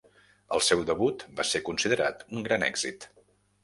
El seu debut va ser considerat un gran èxit.